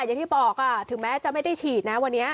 อย่างที่บอกถึงแม้จะไม่ได้ฉีดนะวันนี้